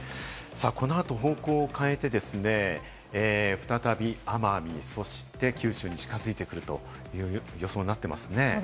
この後、方向を変えてですね、再び奄美、そして九州に近づいていくという予想になってますね。